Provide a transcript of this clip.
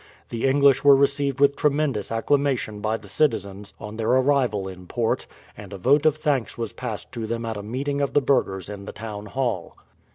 The English were received with tremendous acclamation by the citizens on their arrival in port, and a vote of thanks was passed to them at a meeting of the burghers in the town hall.